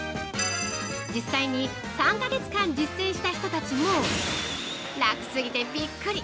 実際に３か月間実践した人たちも「楽すぎてびっくり！」